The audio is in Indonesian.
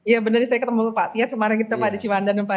ya benar saya ketemu pak tia semarin kita pada cimandang ya